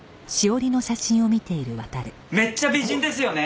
めっちゃ美人ですよね！